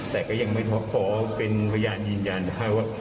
แต่ก็ยังไม่ท็อปขอเป็นพยานยืนยันให้ว่า